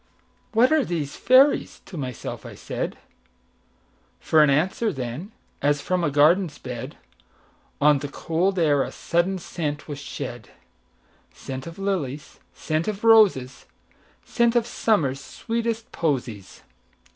"What are these fairies?" to myself I said; For answer, then, as from a garden's bed, On the cold air a sudden scent was shed,—Scent of lilies, scent of roses, Scent of Summer's sweetest posies.